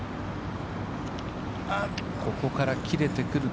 ここから切れてくるか。